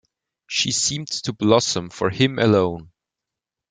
She seemed to blossom for him alone.